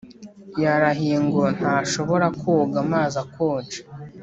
yarahiye ngo ntashobora koga amazi akonje